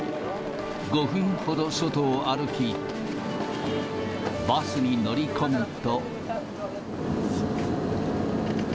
５分ほど外を歩き、バスに乗り込むと。